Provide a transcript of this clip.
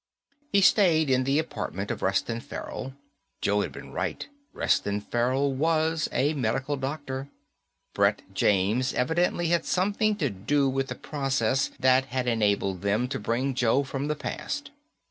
He stayed in the apartment of Reston Farrell. Joe had been right, Reston Farrell was a medical doctor. Brett James evidently had something to do with the process that had enabled them to bring Joe from the past.